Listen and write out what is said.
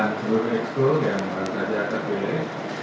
dan seluruh expo yang baru saja terkirim